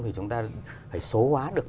bốn thì chúng ta phải số hóa được